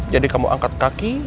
jadi kamu angkat kaki